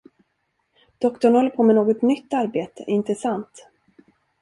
Doktorn håller på med något nytt arbete, inte sant?